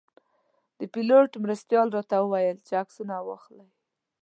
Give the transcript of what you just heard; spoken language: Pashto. د پیلوټ مرستیال راته ویل چې عکسونه واخلئ.